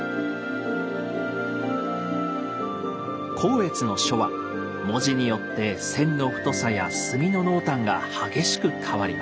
光悦の書は文字によって線の太さや墨の濃淡が激しく変わります。